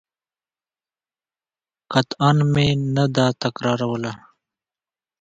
قطعاً مې نه درتکراروله.